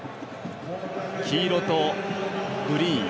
黄色とグリーン。